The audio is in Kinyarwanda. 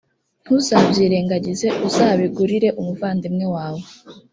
ntuzabyirengagize uzabigarurire umuvandimwe wawe